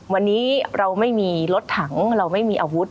วันนี้เราไม่มีรถถังเราไม่มีอาวุธ